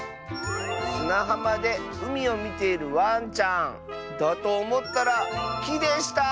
「すなはまでうみをみているワンちゃんだとおもったらきでした！」。